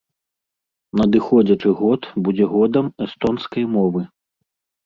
Надыходзячы год будзе годам эстонскай мовы.